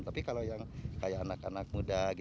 tapi kalau yang kayak anak anak muda